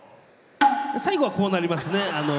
最後はこうなりますね。